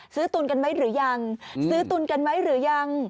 ตุนกันไหมหรือยังซื้อตุนกันไหมหรือยัง